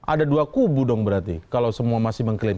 ada dua kubu dong berarti kalau semua masih mengklaim